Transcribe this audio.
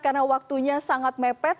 karena waktunya sangat mepet